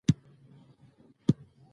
په کوهي کي پر اوزګړي باندي ویر سو